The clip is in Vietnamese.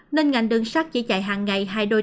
nên ngành đơn sát chỉ chạy hàng ngày hai đôi